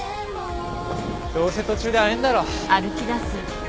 どうせ途中で会えんだろ。